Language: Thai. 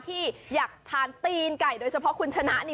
ที่อยากทานตีนไก่โดยเฉพาะคุณชนะนี่